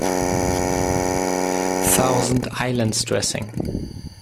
Thousand Islands Dressing